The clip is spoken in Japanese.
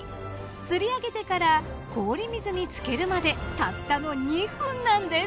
釣り上げてから氷水につけるまでたったの２分なんです。